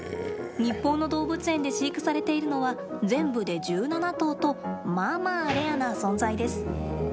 日本の動物園で飼育されているのは全部で１７頭とまあまあレアな存在です。